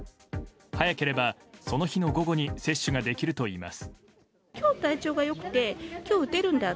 早ければ、その日の午後に接種ができるといいます。